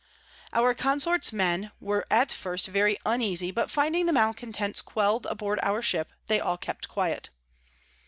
Our Consort's Men were at first very uneasy, but finding the Malecontents quell'd aboard our Ship, they all kept quiet.